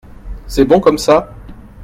C’est bon comme ça ?